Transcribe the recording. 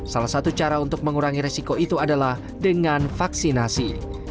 salah satu cara untuk mengurangi resiko itu adalah dengan vaksinasi